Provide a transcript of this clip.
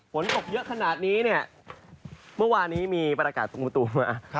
ผลตกเยอะขนาดนี้เมื่อวานนี้มีประกาศกรมบุตุมา